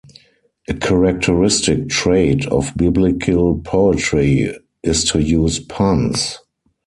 A characteristic trait of biblical poetry is to use puns.